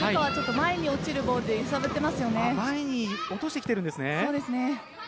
前に落としてきているんですね。